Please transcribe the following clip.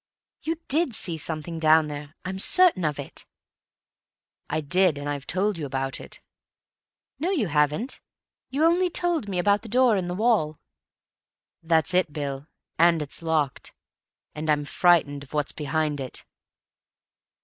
You did see something down there, I'm certain of it." "I did and I've told you about it." "No, you haven't. You only told me about the door in the wall." "That's it, Bill. And it's locked. And I'm frightened of what's behind it."